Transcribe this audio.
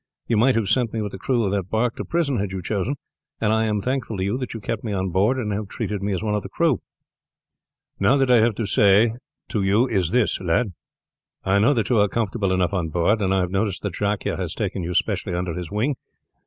You might have sent me with the crew of that bark to prison had you chosen, and I am thankful to you that you kept me on board and have treated me as one of the crew." "Now, what I have to say to you is this lad: I know that you are comfortable enough on board, and I have noticed that Jacques here has taken you specially under his wing.